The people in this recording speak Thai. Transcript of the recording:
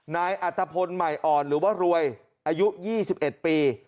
นายอัตภพลใหม่อ่อนหรือว่ารวยอายุ๒๑ปี